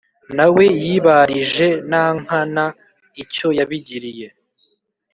nawe yibarije nankana icyo yabigiriye